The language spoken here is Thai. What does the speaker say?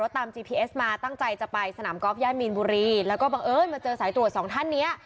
ตั้งใจจะไปสนามกอล์ฟย่านมีนบุรีแล้วก็เอ่อมันเจอสายตรวจ๒ท่านเนี้ย